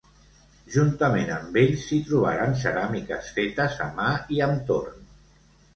Juntament amb ells s'hi trobaren ceràmiques fetes a mà i amb torn.